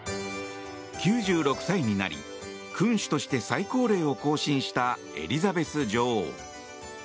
９６歳になり君主として最高齢を更新したエリザベス女王。